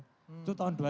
itu tahun dua ribu